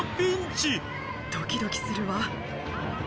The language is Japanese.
ドキドキするわ。